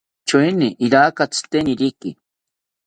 Choeni iraka tziteniriki